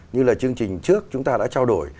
như là chương trình trước chúng ta đã trao đổi